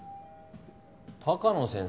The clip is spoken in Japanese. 鷹野先生。